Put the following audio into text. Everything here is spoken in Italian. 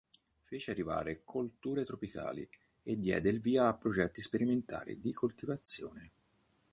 Fece arrivare colture tropicali e diede il via a progetti sperimentali di coltivazione.